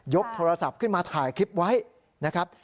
กโทรศัพท์ขึ้นมาถ่ายคลิปไว้นะครับ